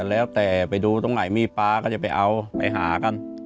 แล้วแต่ไปดูตรงไหนมีปลาก็จะไปเอาไปหากัน